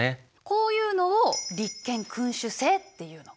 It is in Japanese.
こういうのを立憲君主制っていうの。